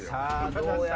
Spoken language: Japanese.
どうや？